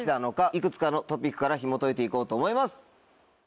いくつかのトピックからひもといて行こうと思います。